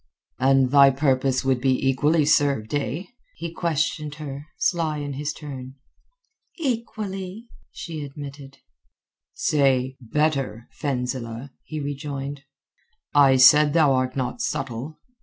"And thy purpose would be equally well served, eh?" he questioned her, sly in his turn. "Equally," she admitted. "Say 'better,' Fenzileh," he rejoined. "I said thou art not subtle.